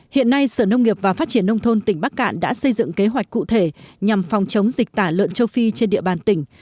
hiện nay sở nông nghiệp và phát triển nông thôn tỉnh bắc cạn đã xây dựng kế hoạch cụ thể nhằm phòng chống dịch tả lợn châu phi trên địa bàn tỉnh